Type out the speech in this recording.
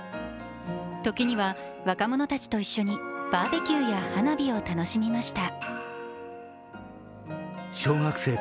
時には若者たちと一緒にバーベキューや花火を楽しみました。